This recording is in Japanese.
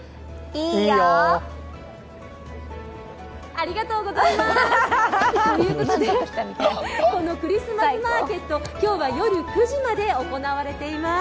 ありがとうございます！ということでこのクリスマスマーケット、今日は夜９時まで行われています。